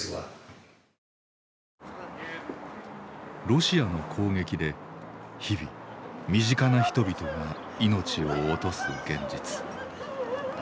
ロシアの攻撃で日々身近な人々が命を落とす現実。